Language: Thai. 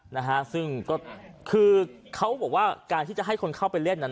นะฮะซึ่งก็คือเขาบอกว่าการที่จะให้คนเข้าไปเล่นนั้น